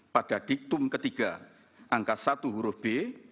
pada diktum ketiga angka satu huruf b